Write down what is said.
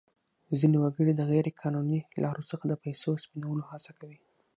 ځینې وګړي د غیر قانوني لارو څخه د پیسو سپینولو هڅه کوي.